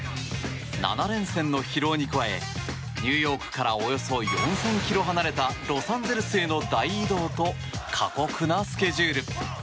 ７連戦の疲労に加えニューヨークからおよそ４０００ｋｍ離れたロサンゼルスへの大移動と過酷なスケジュール。